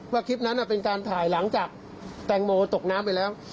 คลิปนั้นเป็นการถ่ายหลังจากแตงโมตกน้ำไปแล้ว